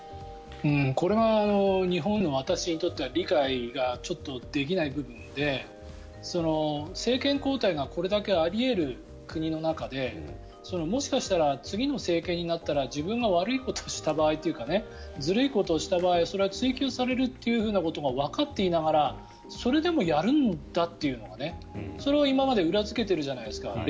これが日本人の私にとっては理解がちょっとできない部分で政権交代がこれだけあり得る国の中でもしかしたら次の政権になったら自分が悪いことした場合というかずるいことをした場合追及されるということがわかっていながらそれでもやるんだというのがそれを今まで裏付けているじゃないですか。